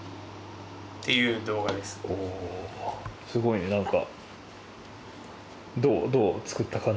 おすごいね何か。